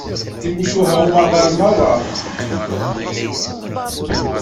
Timucuha n umaḍal merra.